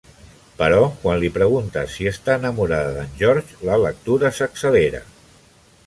Però quan li preguntes si està enamorada d'en George, la lectura s'accelera.